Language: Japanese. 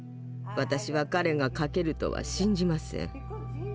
私は彼が書けるとは信じません。